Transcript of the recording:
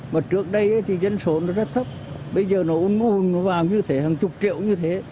mà trước đây thì dân số nó rất thấp bây giờ nó ôn nó vào như thế hàng chục triệu như thế